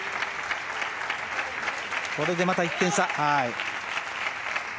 これでまた１点差。